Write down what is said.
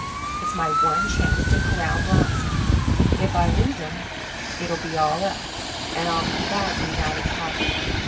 It's my one chance to corral Bronson. If I lose him it'll be all up, and I'll be thousands out of pocket."